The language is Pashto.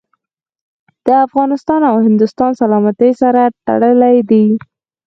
د افغانستان او هندوستان سلامتي سره تړلي دي.